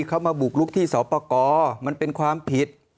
เขามาบุกลุกที่สอบประกอบมันเป็นความผิด